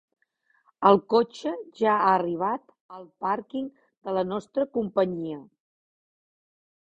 El cotxe ja ha arribat al pàrquing de la nostra companyia?